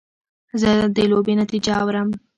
زه د لوبې نتیجه اورم.